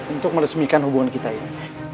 untuk meresmikan hubungan kita ya